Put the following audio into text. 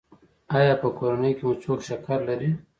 ایا په کورنۍ کې مو څوک شکر لري؟